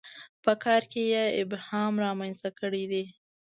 په کار کې یې ابهام رامنځته کړی دی.